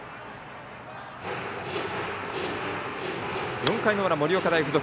４回の裏、盛岡大付属。